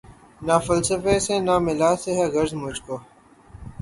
نہ فلسفی سے نہ ملا سے ہے غرض مجھ کو